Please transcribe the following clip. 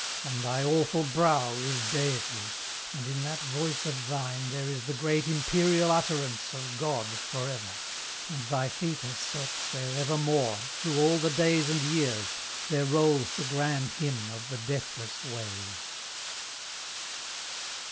On thy awful brow Is Deity; and in that voice of thine There is the great imperial utterance Of God for ever; and thy feet are set Where evermore, through all the days and years, There rolls the grand hymn of the deathless wave.